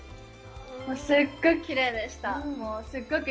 すごくきれいでした。